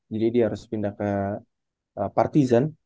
jadi dia harus pindah ke partizan